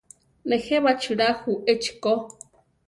Nejé baʼchíla ju echi ko.